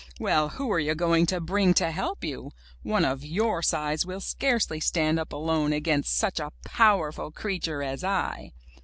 Well, who are you going to bring to help you? One of your size will scarcely stand up alone against such a powerful creature as I."